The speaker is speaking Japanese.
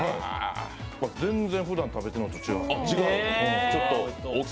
全然、ふだん食べてるのと違う。